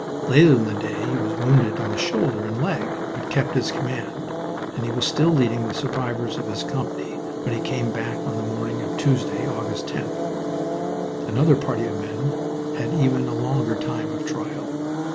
Later in the day he was wounded in the shoulder and leg, but kept his command, and he was still leading the survivors of his company when he came back on the morning of Tuesday, August 10th. Another party of men had even a longer time of trial.